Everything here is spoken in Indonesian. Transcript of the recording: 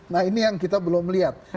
nah ini yang kita belum lihat